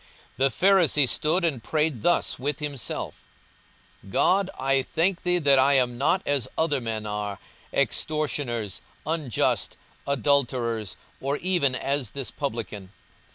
42:018:011 The Pharisee stood and prayed thus with himself, God, I thank thee, that I am not as other men are, extortioners, unjust, adulterers, or even as this publican.